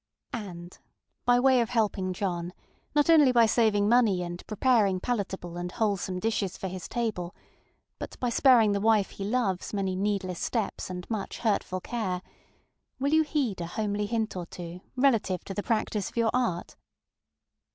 And by way of helping John, not only by saving money and preparing palatable and wholesome dishes for his table, but by sparing the wife he loves many needless steps and much hurtful care, will you heed a homely hint or two relative to the practice of your art?